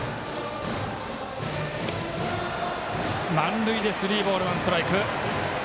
満塁でスリーボールワンストライク。